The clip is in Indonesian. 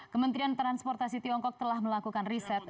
kementerian transportasi tiongkok telah melakukan riset